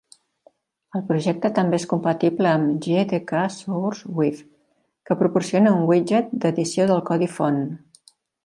El projecte també és compatible amb GtkSourceView, que proporciona un widget d'edició del codi font.